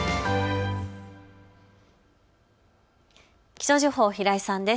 気象情報、平井さんです。